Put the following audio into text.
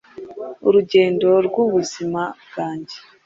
Urugendo rw’Ubuzima bwanjye